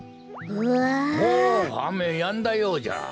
おおあめやんだようじゃ。